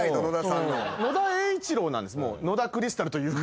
野田クリスタルというか。